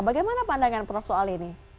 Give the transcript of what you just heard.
bagaimana pandangan prof soal ini